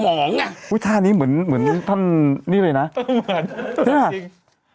ดพมงศ์ตากอุ้ยท่านนี้เหมือนเหมือนถ้านี่เลยนะเหมือนเหนือยจริง